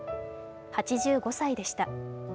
８５歳でした。